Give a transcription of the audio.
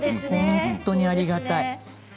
本当にありがたい。